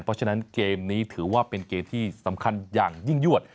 เพราะฉะนั้นเกมนี้ถือว่าเป็นเกมที่สำคัญอย่างยิ่งยวด